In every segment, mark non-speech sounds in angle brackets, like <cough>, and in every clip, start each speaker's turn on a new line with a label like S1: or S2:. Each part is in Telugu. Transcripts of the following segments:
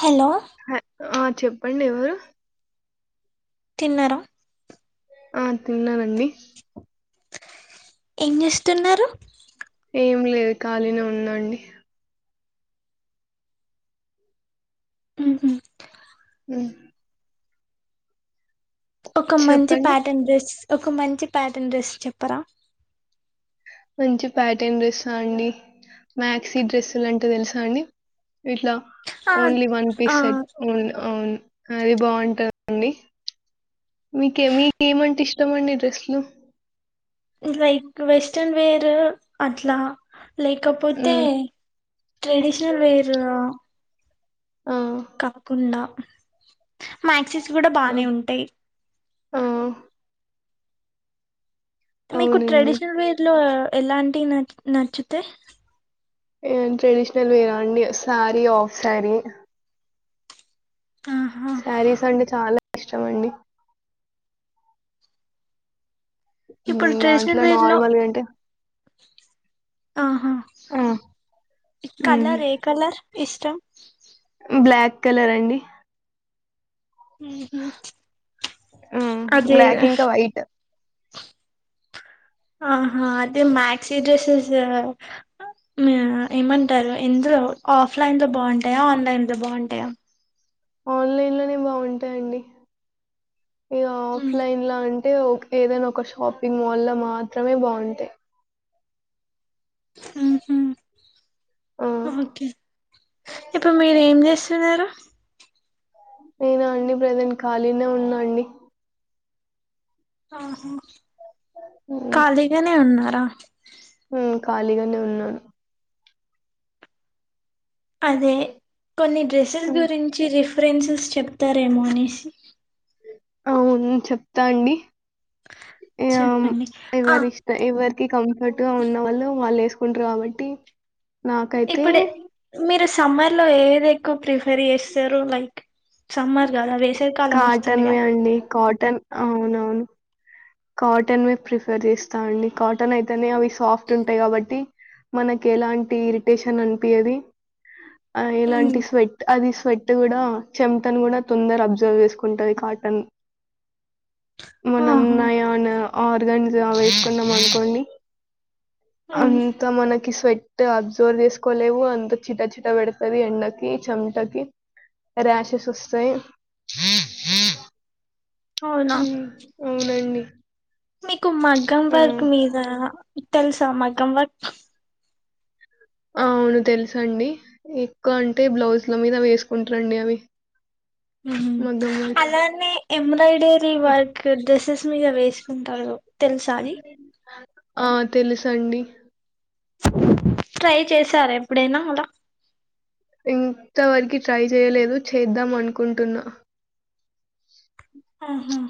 S1: హలో
S2: హ ఆ చెప్పండి ఎవరు
S1: తిన్నార
S2: ఆ తిన్నానండి
S1: ఏం చేస్తున్నారు
S2: ఏం లేదు ఖాళీనే ఉన్నానండి
S1: ఉహూ
S2: హ
S1: ఒక మంచి
S2: చెప్పండి
S1: ప్యాటర్న్ డ్రెస్ ఒక మంచి ప్యాటర్న్ డ్రెస్ చెప్పరా
S2: మంచి ప్యాటర్న్ డ్రెస్స అండి మ్యాక్సీ డ్రెస్సులు అంటే తెలుసా అండి ఇట్లా
S1: ఆ
S2: ఓన్లీ వన్
S1: ఆ
S2: పీస్ సెట్ ఓన్లీన్ అది బాగుంటందండి మీకే మీక ఏమంటే ఇష్టమండి డ్రెస్లు
S1: లైక్ వెస్టర్న్ వేర్ అట్లా లేకపోతే
S2: మ్
S1: ట్రెడిషనల్ వేర్
S2: ఆ
S1: కాకుండా మ్యాక్సీస్ కూడా
S2: ఆ
S1: బానే ఉంటాయి
S2: ఆ
S1: మీకు
S2: అవునండి
S1: ట్రెడిషనల్ వే లో ఎలాంటి న నచ్చుతే
S2: ఏ ట్రెడిషనల్ వేర్ అండి సారీ ఆఫ్ సారీ
S1: ఆహా
S2: శారీస్ అండి చాలా ఇష్టం అండి
S1: ఇప్పుడు
S2: హ్మ్మ్
S1: ట్రెడిషనల్
S2: దాంట్లో
S1: వేర్ లో
S2: నార్మల్ ఏంటే
S1: ఆహా
S2: హ్మ్
S1: కలర్ ఏ కలర్ ఇష్టం
S2: బ్లాక్ కలర్ అండి హ్మ్.
S1: అదే
S2: బ్లాక్ ఇంకా వైట్.
S1: ఆహా అదే మ్యాక్సి డ్రెసెస్ ఏమంటారు ఎందులో ఆఫ్లైన్ లో బాగుంటాయా ఆన్లైన్ లో బాగుంటాయా
S2: ఆన్లైన్ లోనే బాగుంటాయండి ఇక ఆఫ్లైన్ లో అంటే అంటే ఒక ఏదైనా ఒక షాపింగ్ మాల్ లో మాత్రమే బాగుంటాయి ఆ!
S1: ఉహా ఓకే ఇప్పుడు మీరు ఏం చేస్ తున్నారు
S2: నేనా అండి ప్రెసెంట్ ఖాళీనే ఉన్నా అండి
S1: ఆహ ఖాళీగానే ఉన్నారా
S2: ఉ ఖాళీగానే ఉన్నాను
S1: అదే కొన్ని డ్రెస్సెస్
S2: హ్మ్.
S1: గురించి రిఫ్ ఫ్రెండ్సెస్ చెప్తారేమో అనేసి
S2: అవును చెప్తా అండి
S1: చెప్పండి ఆ
S2: ఎవరి ఇష్ట ఎవరికి కంఫర్ట్ గా ఉన్న వాళ్ళు వాళ్ళు ఏసు కుంటారు కాబట్టి నాకైతే
S1: ఇప్పుడే మీరు సమ్మర్ లో ఏది ఎక్కువ ప్రిఫెర్ చేస్తారు లైక్ సమ్మర్ కదా వేసవి కాలం వస్తుంది
S2: కాటన్ వి
S1: కదా
S2: అండి కాటన్ అవునవును కాటన్ వే ప్రిఫర్ చేస్తా అండి కాటన్ అయితేనే అవి సాఫ్ట్ ఉంటాయి కాబట్టి మనకి ఎలాంటి ఇరిటేషన్ అనిపియ్యది ఆ
S1: ఉమ్
S2: ఎలాంటి స్వెట్ అది స్వెట్ ట్ కూడా చెమటను కూడా తొందర అబ్జర్వ్ చేసుకుంటది కాటన్ మనం
S1: ఆహా
S2: నాయ ఆర్గాన్స్ అవి వేసుకున్నం అనుకోండి
S1: ఉమ్
S2: అంత మనకి స్వట్ అబ్జర్వ్ చేసుకోలేవు అంత చిట చిట పెడతది ఎండకి చెమటకి రాషెస్ వస్తాయి
S1: అవునా
S2: ఉ అవునండి
S1: మీకు మగ్గం
S2: ఆ
S1: వర్క్ మీద తెలుసా మగ్గం వర్క్
S2: అవును తెలుసండి ఎక్కువ అంటే బ్లౌజ్ల మీద వేసుకుంటారండి అవి మగ్గం వర్క్
S1: అలానే ఎంబ్రాయిడరీ వర్క్ డ్రెస్సెస్ త్విగా వేసుకుంటారు తెలుసా అది
S2: ఆ తెలుసండి
S1: ట్రై చేశారా ఎప్పుడైనా అలా
S2: ఇంతవరకి ట్రై చేయలేదు చేద్దాం అనుకుంటున్నా
S1: ఆహా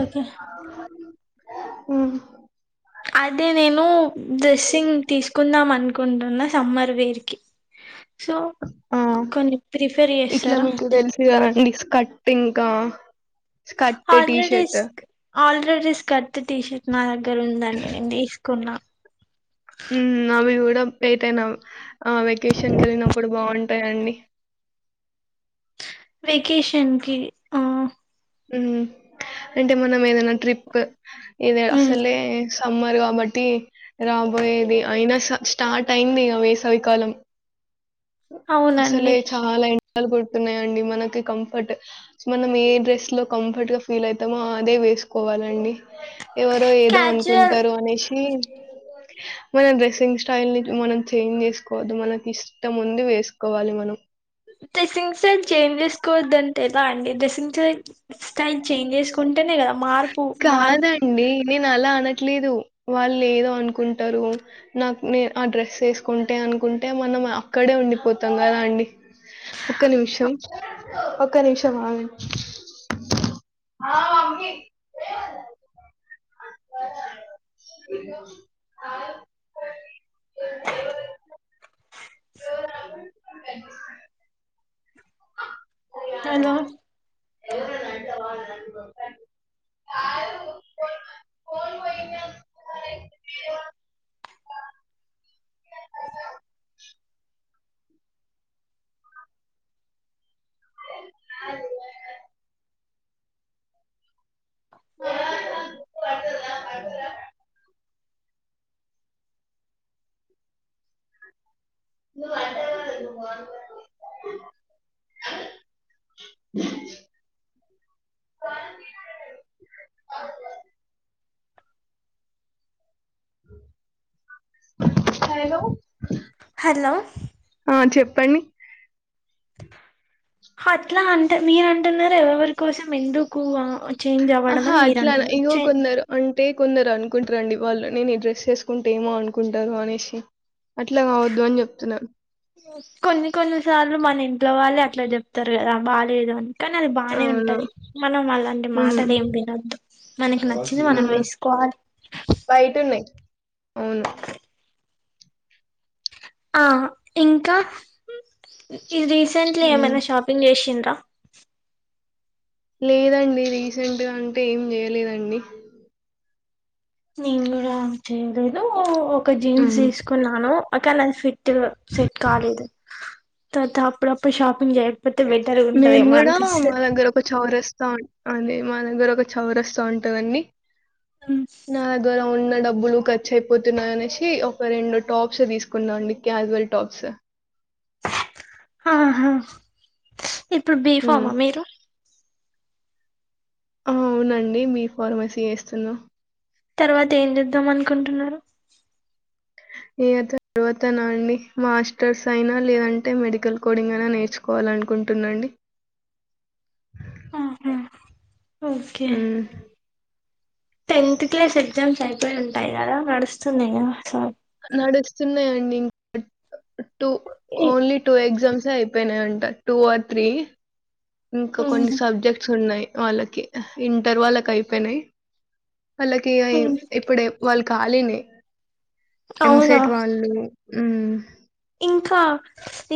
S1: ఓకే
S2: ఉ
S1: అదే నేను డ్రెస్సింగ్ తీసుకుందాం అనుకు కుంటున్న సమ్మర్ విరికి సో
S2: ఆ!
S1: కొన్ని ప్రిఫేర్ చేస్తారా ది
S2: కట్టింగ్ గా
S1: ఆల్రెడీ ఇష్క్ ఆల్ ఎబ్రాయిడరీ రిస్క్ వద్దు టీషర్ట్ నా దగ్గర ఉందండి నేను తీసుకున్నా
S2: ఉ అవి కూడా ఎత్తయిన ఆ వెకేషన్కి వెళ్ళినప్పుడు బాగుంటాయండి
S1: వెకేషన్ కి ఆ
S2: హమ్ అంటే మనం ఏదైనా ట్రిప్ ఏద
S1: ఉమ్,
S2: అసలే సమ్ సమ్మరు కాబట్టి రాబోయేది అయినా స్టార్ట్ అయింది ఇక వేసవికాలం అసలే
S1: అవునండి
S2: చాలా ఎండలు కొడుతూ తున్నాయండి మనకి కంఫర్ట్ మనం ఏ డ్రెస్ ఇట్లో కంఫర్ట్ గా ఫీల్ అవుతామో అదే వేసుకోవాలండి ఎవరో ఏదో
S1: క్యాజువల్
S2: అనుకుంటారు అనేసి మన డ్రెస్సింగ్ స్టైల్ ని మనం చేంజ్ చేసుకోవద్దు మనకి ఇష్టముంది వేసుకోవాలి మనం
S1: డ్రెస్సింగ్ స్టైల్ చేంజ్ చేసుకోవద్ద్దంటే ఎలా అండి డ్రెస్సింగ్ స స్టైల్ చేంజ్ చేసుకుంటేనే ఇగ మార్క్
S2: కాదండి నేను అలా అనట్లేదు వాళ్ళు ఏదో అనుకుంటారు నాకు నే ఆ డ్రెస్ వేసుకుంటే అనుకుంటే మనం అక్కడే ఉండిపోతాం కదా అండి ఒక్క నిమిషం ఒక్క నిమిషం ఆం <unintelligible> <inaudible>
S1: హలో
S2: <unintelligible> కాదు కోన్ అ <unintelligible> ను అంట కానీ నేను <unintelligible> హలో
S1: హలో
S2: ఆ చెప్పండి
S1: అట్లా అంట మీరు అంటున్నారు ఎవవరి కోసం ఎందుకు ఆ
S2: ఆహా అట్లా ఇగో కొన్నారు అంటే కొందరు అనుకుంటారండి వాళ్ళు నేను ఈ డ్రెస్ చేసుకుంటే ఏమో అనుకుంటారు అనేసి అట్లా కావద్దు అని చెప్తున్నా
S1: కొన్ని కొన్నిసార్లు మన ఇంట్లో వాళ్ళే అట్లా చెప్తారు కదా బాలేదు అని కానీ అది బానే
S2: అవును.
S1: ఉంటది మనం అలాంటి
S2: హ్మ్.
S1: మాటలు ఏం వినద్దు మనకి నచ్చింది మనం
S2: హ్మ్.
S1: వేసుకోవాలి
S2: బయటున్నాయి. అవును
S1: ఆ ఇంకా ఇది రీసెంట్లీ
S2: హ్మ్.
S1: ఏమైనా షాపింగ్ చేసిం త్త
S2: లేదండి రీసెంట్గా అంటే ఏం చేయలేదండి
S1: నేను కూడా చేయలేదు ఒక జీన్స్
S2: హ్మ్.
S1: తీసుకున్నాను కానీ నాక్ ఫిట్ ట్టు సెట్ కాలేదు తత అప్పుడప్పుడు షాపింగ్ చే
S2: నేను కూడా మా దగ్గర ఒక చౌరస్తా ఉంది మా దగ్గర ఒక చౌరస్తా ఉంటు దండి నా దగ్గర ఉన్న డబ్బులు ఖర్చు అయిపోతున్నాయి అనేసి ఒక రెండు టాప్స్ తీసుకున్నా అండి క్యాజువల్ టాప్స్
S1: ఆహా ఇప్పుడు
S2: హ్మ్.
S1: బీఫామా మీరు
S2: అవునండి బి ఫార్మసీ వేస్తున్నా
S1: తర్వాత ఏం చేద్దాం అనుకుంటున్నారు
S2: ఇగా తర్వాత నా అండి మాస్టర్స్ అయినా లేదంటే మెడికల్ కోడింగ్ అయినా నేర్చుకోవాలనుకున్ కుంటున్నాండి
S1: ఆహు
S2: ఉమ్
S1: టెన్త్ క్లాస్ ఎగ్జామ్స్ అయిపోయి ఉంటాయి కదా నడుస్తున్నాయా అస
S2: నడుస్తున్నాఅండి టూ ఓన్లీ టూ ఎగ్జామ్స్ అయిపోయినాయి అంట టూ ఆర్ త్రీ ఇంకా కొన్ని సబ్జెక్ట్స్ ఉన్నాయి వాళ్ళకి ఇంటర్ వాళ్ళకి అయిపోయినాయి వాళ్ళకి ఇగ ఇప్పుడే వాళ్ళు ఖాళీనే
S1: అవునా
S2: ఎంసెట్ వాళ్ళు ఉమ్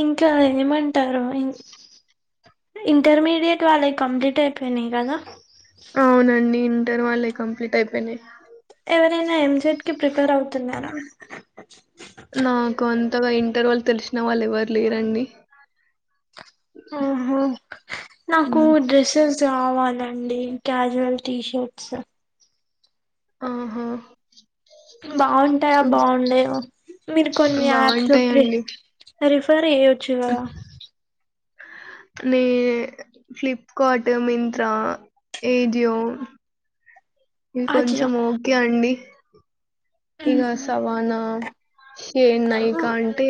S1: ఇంట్లో ఏమంటారో ఏం ఇంటర్మీడియట్ వాళ్ళవి కంప్లీట్ అయిపోయినాయి గదా.
S2: టర్ వల్లై కంప్లీట్ అయిపోయినాయి.
S1: ఎవరైనా ఎం. సెట్ కి ప్రిపేర్ అవుతున్నారా?
S2: నాకు అంతగా ఇంటర్ వాళ్ళు తెలిసిన వాళ్ళు ఎవరు లేరండి.
S1: ఓహో నాకు
S2: హ్మ్
S1: డ్రెస్సెస్ కావాలండి. క్యాజువల్ టీ షర్ట్స్
S2: ఆహా
S1: బాగుంటాయా,
S2: చూ
S1: బాగుండేయో? మీరు కొన్ని యాప్స్ ప్లీ
S2: బావుంటాయండి.
S1: రిఫర్ ఏయ్యోచ్చు గద
S2: మీ ఫ్లిప్కార్ట్, మింత్ర, ఏజియో ఇవి
S1: అజియో
S2: కొంచెం ఓకే అండి. ఇగా సవానా శే నయికా అంటే.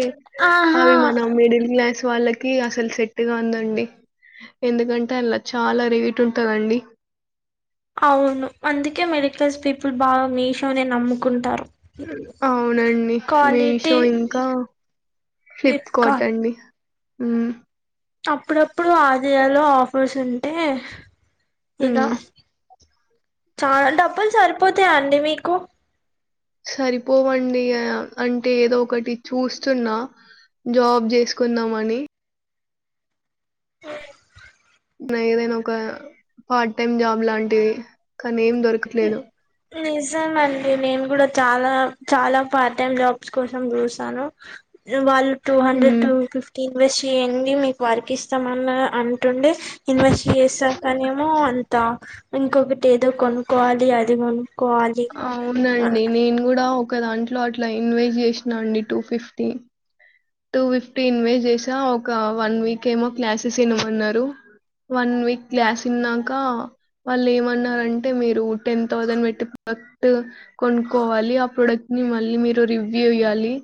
S1: ఆహా
S2: అవి మన మిడిల్ క్లాస్ వాళ్ళకి అసలు సెట్ గాన్దండి. ఎందుకంటే ఆళ్ళ చాలా రేట్ ఉంటదండి.
S1: అవును అందుకే మిడిల్ క్లాస్ పీపుల్ బాగా మీషోనే నమ్ముకుంటారు.
S2: అవునండి.
S1: క్వాలిటీ
S2: మీషో ఇంకా ఫ్లిప్కార్ట్ అండి. ఉమ్
S1: అప్పుడప్పుడు ఆజియోలో ఆఫర్స్ ఉంటే.
S2: హ్మ్.
S1: <unintelligible> చాలా డబ్బులు సరిపోతాయా అండి. మీకు?
S2: సరిపోవండి. అంటే ఏదో ఒకటి చూస్తున్నా. జాబ్ చేసుకున్దామని ఏదైనా ఒక పార్ట్ టైం జాబ్ లాంటివి కానీ ఏం దొరకట్లేదు.
S1: నిజం అండి. నేను కూడా చాలా చాలా పార్ట్ టైం జాబ్స్ కోసం చూసాను. వాళ్ళు టూ హండ్రెడ్,
S2: హ్మ్
S1: టు ఫిఫ్టీన్ ఇన్వెస్ట్ చేయండి. మీకు వర్క్ ఇస్తామన అంటుండే. ఇన్వెస్ట్ చేసాకనేమో అంత్ త ఇంకొకటి ఏదో కొనుక్కోవాలి. అది మనం
S2: అవునండి. నేను గూడా ఆ ఒక దాంట్లో అట్లా ఇన్వెస్ట్ చేసినా అండి. Two fifty two fifty invest చేసా. ఒక వన్ వీక్ ఏమో క్లాసెస్ ఇనమన్నారు. వన్ వీక్ క్లసిన్నాకా. వాళ్ళు ఏమన్నారంటే. మీరు టెన్ థౌజండ్ పెట్టి ప్రోడక్ట్ కొనుక్కోవాలి. ఆ ప్రొడక్ట్ ని మళ్ళీ, మీరు రివ్యూ ఇయ్యాలి.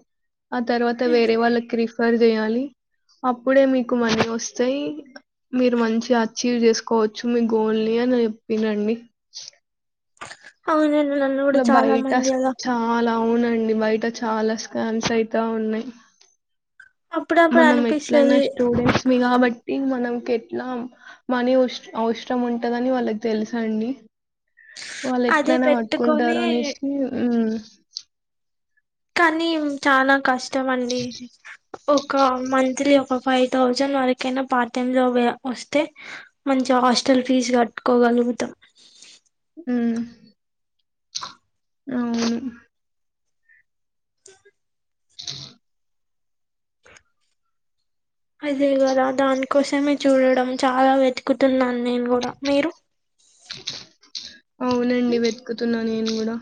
S2: ఆ తర్వాత వేర్ కి రిఫర్ చేయాలి. అప్పుడే మీకు మనీ వస్తాయి. మీరు మంచిగా అర్చీవ్ చేసుకోవచ్చు. మీ గోల్ని అని చెప్పిరండి.
S1: అవును నేను నాన్ను కూడా చాలా
S2: బయట
S1: మంది అలా
S2: చాలా అవునండి. బయట చాలా స్కామ్స్ అయితా ఉన్నాయి.
S1: అప్పుడప్పుడు
S2: మనం ఎట్లయినా
S1: అనిపిస్తది
S2: స్టూడెంట్స్ మీ గాబట్టి మన్ నకి ఎట్లా మనీ ఓస్ అవసరం ఉంటందని. వాళ్ళకి తెలుసండి. వాళ్ళు
S1: అదే
S2: ఎట్లైనా
S1: పెట్టుకొని
S2: పట్టుకుంటారు అనేసి. ఉమ్
S1: కానీ మ్ చాలా కష్టం అండి. ఒక మంత్లీ ఒక ఫైవ్ థౌజండ్ వరకైనా పార్ట్ టైం లో వే వస్తే. మంచిగా హాస్టల్ ఫీజ్ కట్టుకోగలు అవుద్దా
S2: ఉహ్మ్ అవును
S1: అదే గదా. దానికోసమే చూడడం, చాలా వెతుకుతున్నాన్, నేన్ గూడా. మీరు?
S2: అవునండి. వెతుకుతున్నా నేను గూడా.